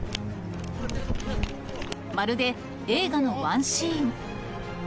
まるで映画のワンシーン。